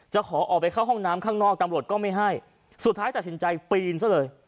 ขอออกไปเข้าห้องน้ำข้างนอกตำรวจก็ไม่ให้สุดท้ายตัดสินใจปีนซะเลย